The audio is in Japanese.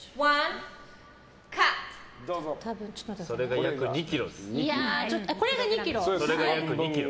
それが約２ｋｇです。